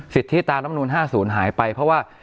สิทธิตารัฐมนูญ๕๐หายไปเพราะว่า